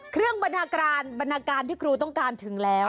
บรรดาการบรรณาการที่ครูต้องการถึงแล้ว